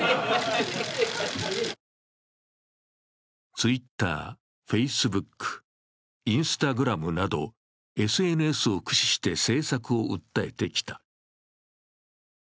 Ｔｗｉｔｔｅｒ、Ｆａｃｅｂｏｏｋ、ＩｎｓｔａｇｒａｍなどＳＮＳを駆使して政策を訴えてきた。